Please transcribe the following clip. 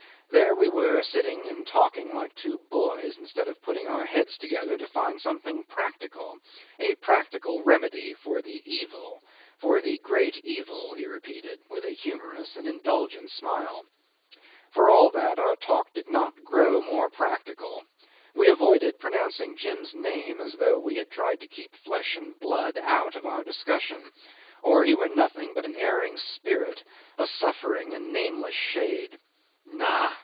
There we were sitting and talking like two boys, instead of putting our heads together to find something practical a practical remedy for the evil for the great evil he repeated, with a humorous and indulgent smile. For all that, our talk did not grow more practical. We avoided pronouncing Jim's name as though we had tried to keep flesh and blood out of our discussion, or he were nothing but an erring spirit, a suffering and nameless shade. "Na!"